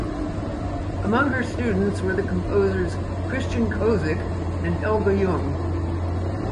Among her students were the composers Christian Kozik and Helge Jung.